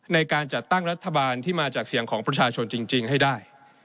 ในการจัดตั้งรัฐบาลที่มาจากเสียงของประชาชนจริงให้ได้